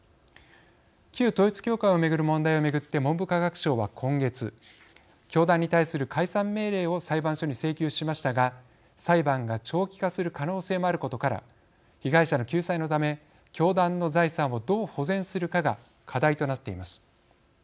旧統一教会を巡る問題を巡って文部科学省は今月教団に対する解散命令を裁判所に請求しましたが裁判が長期化する可能性もあることから被害者の救済のため教団の財産をどう保全するかが課題となっています。